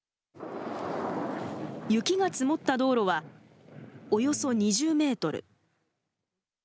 雪が積もった道路はおよそ２０メートル。